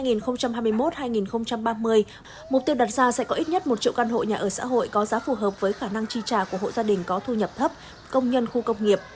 giới đoạn hai nghìn hai mươi một hai nghìn ba mươi mục tiêu đặt ra sẽ có ít nhất một triệu căn hộ nhà ở xã hội có giá phù hợp với khả năng chi trả của hộ gia đình có thu nhập thấp công nhân khu công nghiệp